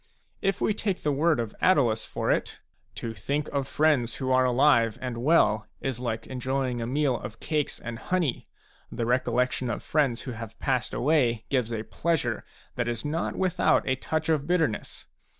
,, If we take the word of Attalus for it, " to think of friends who are alive and well is like enjoying a meal of cakes and honey ; the recollection of friends who have passed away gives a pleasure that is not without a touch of bitter ness.